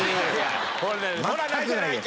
ほらないじゃないか！